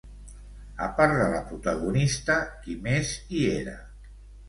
A part de la protagonista, qui més hi era?